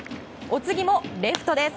お次もレフトです。